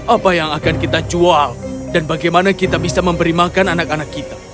apa yang akan kita jual dan bagaimana kita bisa memberi makan anak anak kita